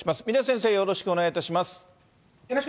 峰先生、よろしくお願いいたします。